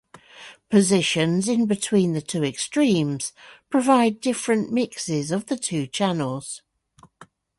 Positions in between the two extremes provide different mixes of the two channels.